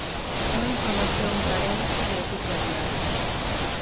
Unha información carente de oficialidade.